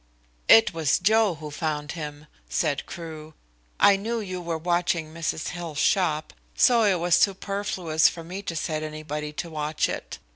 "It was Joe who found him," said Crewe. "I knew you were watching Mrs. Hill's shop, so it was superfluous for me to set anybody to watch it.